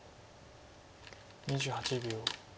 ２８秒。